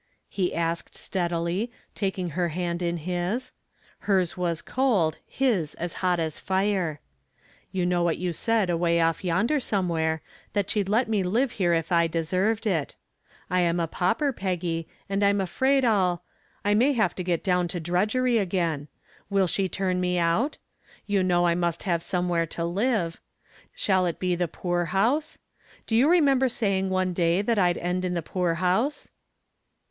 he asked, steadily, taking her hand in his. Hers was cold, his as hot as fire. "You know what you said away off yonder somewhere, that she'd let me live here if I deserved it. I am a pauper, Peggy, and I'm afraid I'll I may have to get down to drudgery again. Will she turn me out? You know I must have somewhere to live. Shall it be the poorhouse? Do you remember saying one day that I'd end in the poorhouse?"